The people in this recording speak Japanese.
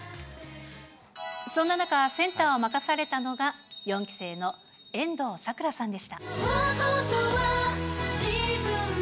そんな中、センターを任されたのが、４期生の遠藤さくらさんでした。